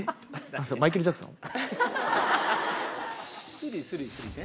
「スリスリスリ」ね。